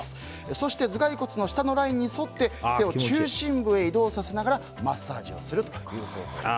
そして頭蓋骨の下のラインに沿って手を中心部へ移動させながらマッサージをするという方法です。